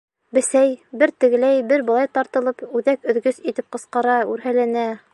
Бесәй, бер тегеләй, бер былай тартылып, үҙәк өҙгөс итеп ҡысҡыра, үрһәләнә.